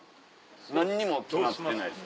何にも決まってないです。